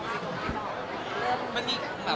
เริ่มกับมีข่าวนะครับ